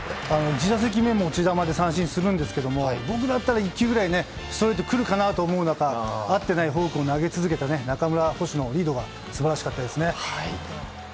１打席目も持ち球で三振するんですけど僕だったら１球ぐらいストレートが来るかと思いますが待ってないフォークを投げ続けたリードが素晴らしかったですね。